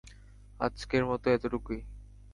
আজকের মতো এতটুকুই।